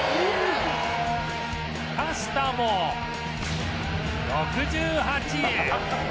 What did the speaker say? パスタも６８円